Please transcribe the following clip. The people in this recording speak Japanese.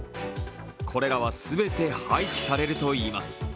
これらは全て廃棄されるといいます。